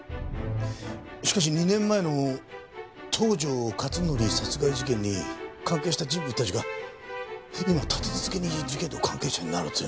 しかし２年前の東条克典殺害事件に関係した人物たちが今立て続けに事件の関係者になるというのは。